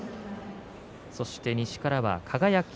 そして西からは輝。